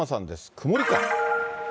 曇りか。